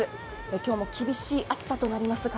今日も各地、厳しい暑さとなります。